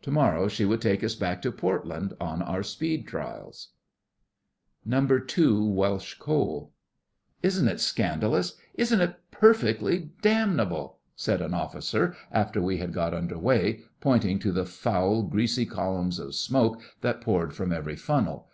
To morrow she would take us back to Portland on our speed trials. NO. 2 WELSH COAL 'Isn't it scandalous? Isn't it perfectly damnable?' said an officer after we had got under way, pointing to the foul, greasy columns of smoke that poured from every funnel.